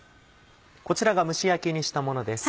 こちらが蒸し焼きにしたものです。